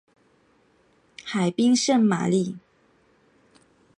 海滨圣玛丽。